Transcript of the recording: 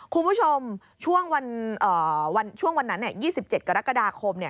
คุณผู้ชมช่วงวันนั้น๒๗กรกฎาคม